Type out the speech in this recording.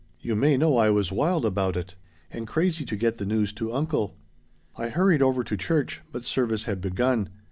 You may know I was wild about it and crazy to get the news to uncle. I hurried over to church, but service had begun.